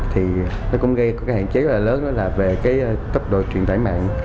thì nó cũng gây cái hạn chế rất là lớn đó là về cái tốc độ truyền tải mạng